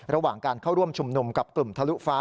ระหว่างการเข้าร่วมชุมนุมกับกลุ่มทะลุฟ้า